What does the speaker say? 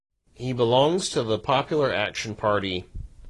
He belongs to the Popular Action party.